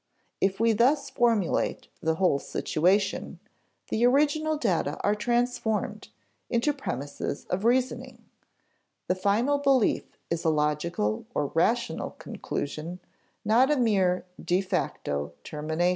If we thus formulate the whole situation, the original data are transformed into premises of reasoning; the final belief is a logical or rational conclusion, not a mere de facto termination.